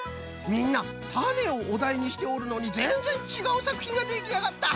みんなたねをおだいにしておるのにぜんぜんちがうさくひんができあがった！